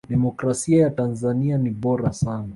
demokrasia ya tanzania ni bora sana